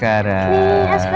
terima kasih pak